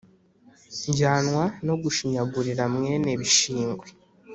njyanwa no gushinyagurira mwene bishingwe